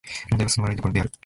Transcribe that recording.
問題はその笑い所である